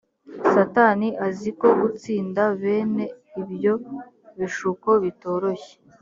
satani azi ko gutsinda bene ibyo bishuko bitoroshye